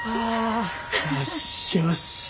よしよし。